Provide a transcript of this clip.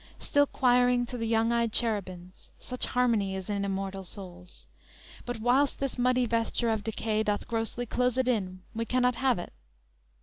Still quiring to the young ey'd cherubins; Such harmony is in immortal souls; But, whil'st this muddy vesture of decay Doth grossly close it in, we cannot have it!